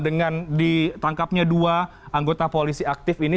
dengan ditangkapnya dua anggota polisi aktif ini